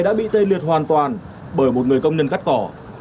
đã bị tê liệt hoàn toàn bởi một người công nhân cắt cỏ